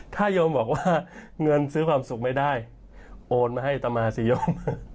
ถ้าโยมบอกว่าเงินซื้อความสุขไม่ได้โอนมาให้ตามาสิโยม